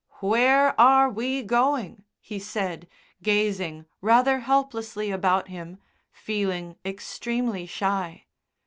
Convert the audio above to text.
"Where are we going?" he said, gazing rather helplessly about him, feeling extremely shy.